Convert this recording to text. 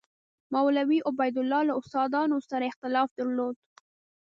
مولوي عبیدالله له استادانو سره اختلاف درلود.